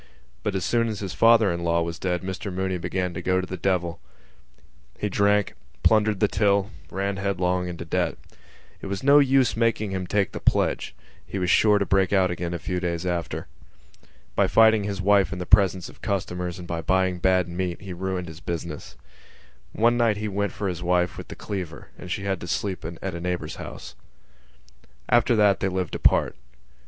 But as soon as his father in law was dead Mr Mooney began to go to the devil. He drank, plundered the till, ran headlong into debt. It was no use making him take the pledge: he was sure to break out again a few days after. By fighting his wife in the presence of customers and by buying bad meat he ruined his business. One night he went for his wife with the cleaver and she had to sleep in a neighbour's house. After that they lived apart.